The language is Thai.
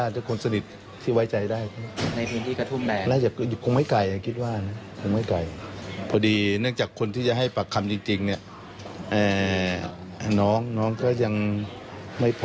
ถึงต้องมาทิกประคัมเบื้องต้นครับสหวัสดิ์อาชีพ